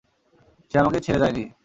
সে আমাকে ছেড়ে যায় নি।